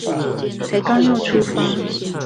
才剛要出發